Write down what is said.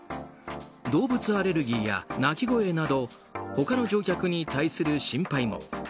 動物アレルギーや鳴き声など他の乗客に対する心配も。